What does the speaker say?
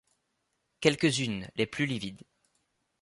Quelques-unes, les plus livides